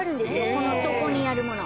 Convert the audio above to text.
この底にあるもの。